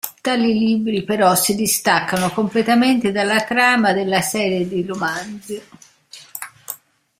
Tali libri però si distaccano completamente dalla trama della serie di romanzi.